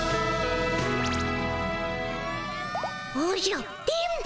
おじゃ電ボ。